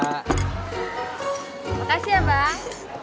makasih ya mbak